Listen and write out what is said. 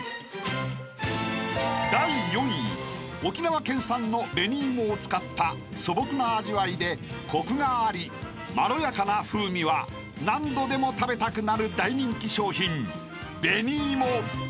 ［沖縄県産の紅芋を使った素朴な味わいでコクがありまろやかな風味は何度でも食べたくなる大人気商品］